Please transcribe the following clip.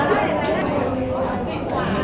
ขอบคุณหนึ่งนะคะขอบคุณหนึ่งนะคะ